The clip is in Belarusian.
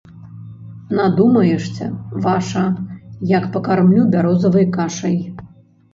Надумаешся, ваша, як пакармлю бярозавай кашай.